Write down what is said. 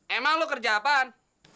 emang lo kerjapan